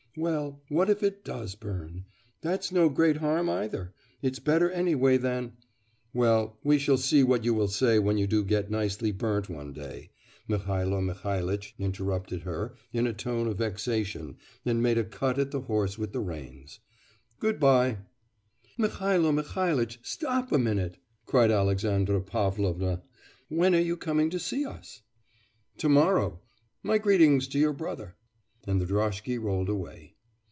'Well, what if it does burn! That's no great harm either! It's better anyway than ' 'Well, we shall see what you will say when you do get nicely burnt one day,' Mihailo Mihailitch interrupted her in a tone of vexation and made a cut at the horse with the reins, 'Good bye.' 'Mihailo Mihailitch, stop a minute!' cried Alexandra Pavlovna, 'when are you coming to see us?' 'To morrow; my greetings to your brother.' And the droshky rolled away.